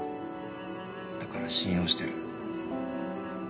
だから信用してる。